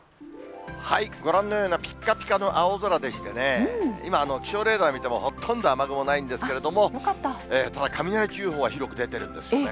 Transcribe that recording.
ご覧のようなぴっかぴかの青空でしてね、今、気象レーダー見ても、ほとんど雨雲ないんですけれども、ただ、雷注意報は広く出てるんですよね。